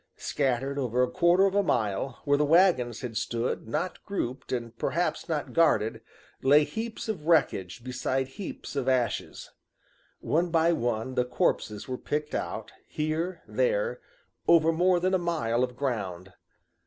Scattered over a quarter of a mile, where the wagons had stood not grouped and perhaps not guarded, lay heaps of wreckage beside heaps of ashes. One by one the corpses were picked out, here, there, over more than a mile of ground.